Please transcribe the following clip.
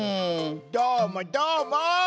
どーもどーも！